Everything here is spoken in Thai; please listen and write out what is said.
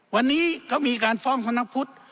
วันนี้ก็มีการฟ้องสำนักพุทธ